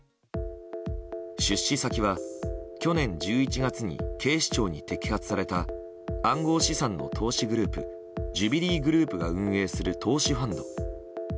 出資先は、去年１１月に警視庁に摘発された暗号資産の投資グループジュビリーグループが運営する投資ファンド。